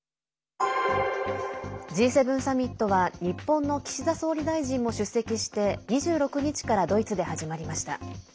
Ｇ７サミットは日本の岸田総理大臣も出席して２６日からドイツで始まりました。